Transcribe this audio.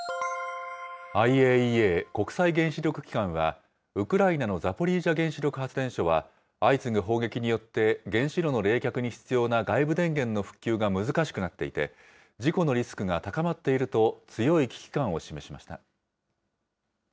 ＩＡＥＡ・国際原子力機関は、ウクライナのザポリージャ原子力発電所は、相次ぐ砲撃によって原子炉の冷却に必要な外部電源の復旧が難しくなっていて、事故のリスクが高まっていると、強い危機感を示しました。